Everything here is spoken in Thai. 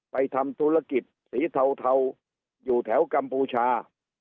ทำธุรกิจสีเทาอยู่แถวกัมพูชา